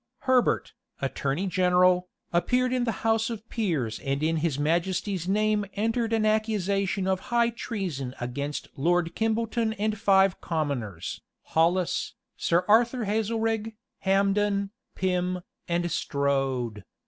[*]* Clarendon, vol. ii. p. 360. Herbert, attorney general, appeared in the house of peers and in his majesty's name entered an accusation of high treason against Lord Kimbolton and five commoners, Hollis, Sir Arthur Hazlerig, Hambden, Pym, and Strode.